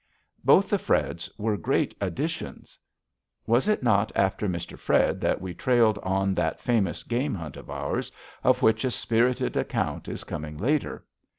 Both the Freds were great additions. Was it not after Mr. Fred that we trailed on that famous game hunt of ours, of which a spirited account is coming later?